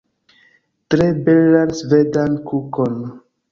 Tre belan svedan kukon